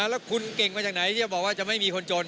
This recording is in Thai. แล้วคุณเก่งมาจากไหนที่จะบอกว่าจะไม่มีคนจน